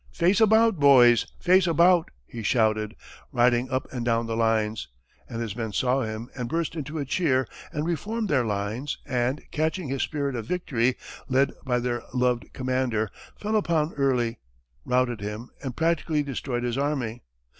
"Face about, boys! face about!" he shouted, riding up and down the lines; and his men saw him, and burst into a cheer, and reformed their lines, and, catching his spirit of victory, led by their loved commander, fell upon Early, routed him and practically destroyed his army.